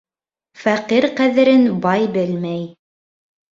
Фәҡир ҡәҙерен бай белмәй.